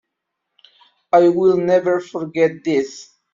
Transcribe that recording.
I will never forget this.